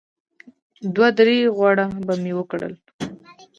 دوه درې غوړپه مې وکړل.